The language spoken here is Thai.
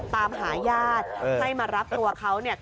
ตามหาญาติให้มารับตัวเขาเนี่ย